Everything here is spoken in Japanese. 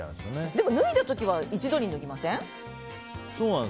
でも脱いだ時は一度に脱ぎません？